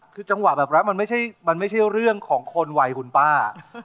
คือจังหวะแบบนั้นมันไม่ใช่เรื่องของคนวัยคุณป้า